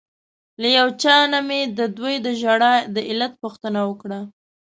له یو چا نه مې ددوی د ژړا د علت پوښتنه وکړه.